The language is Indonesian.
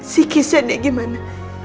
si kisah dia gimana